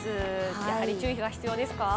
やはり注意が必要ですか？